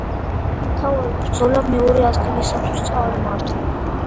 მთავარი ბრძოლა მეორე ადგილისათვის წარიმართა.